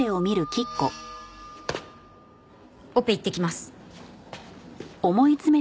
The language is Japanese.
オペ行ってきます。